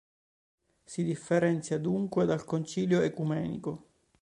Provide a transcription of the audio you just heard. Si differenzia dunque dal Concilio ecumenico.